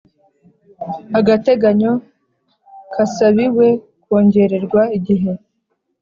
agateganyo kasabiwe kongererwa igihe